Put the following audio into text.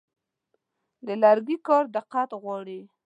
د لرګي کار دقت غواړي.